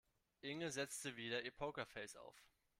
Inge setzte wieder ihr Pokerface auf.